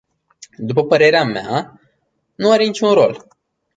După părerea mea, nu are niciun rol.